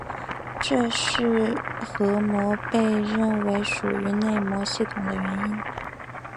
这是核膜被认为属于内膜系统的原因。